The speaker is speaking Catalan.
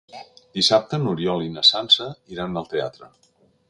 Dissabte n'Oriol i na Sança iran al teatre.